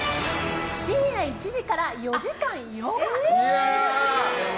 深夜１時から４時間ヨガ。